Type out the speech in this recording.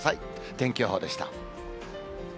天気予報でした。